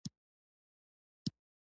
ځکه يې له دليله پرته څه نه شوای ورته ويلی.